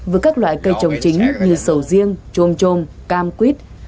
với các loại cây trồng chính như sầu riêng chôm trôm cam quýt